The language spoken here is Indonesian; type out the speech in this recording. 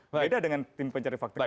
beda dengan tim pencari fakta lain